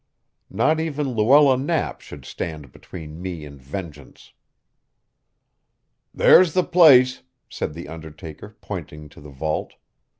Not even Luella Knapp should stand between me and vengeance. "There's the place," said the undertaker, pointing to the vault.